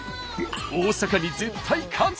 大阪に絶対勝つ！